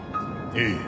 ええ。